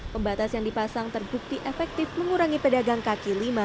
pembatas yang dipasang terbukti efektif mengurangi pedagang kaki lima